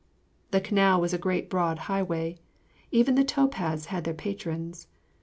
] The canal was a great broad highway. Even the tow paths had their patrons.